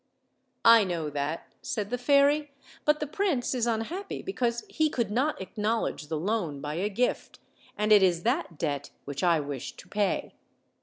"I know that," said the fairy, "but the prince is un happy because he could not acknowledge the loan by a gift, and it is that debt which I wish to pay.